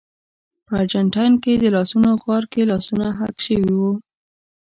په ارجنټاین کې د لاسونو غار کې لاسونه حک شوي وو.